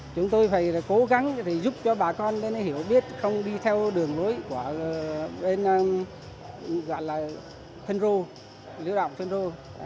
chúng tôi phải cố gắng giúp cho bà con hiểu biết không đi theo đường lối của bên gọi là thân rô lưu động thân rô